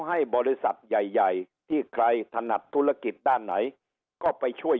ให้บริษัทใหญ่ใหญ่ที่ใครถนัดธุรกิจด้านไหนก็ไปช่วย